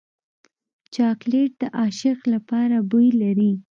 چاکلېټ د عاشق لپاره بوی لري.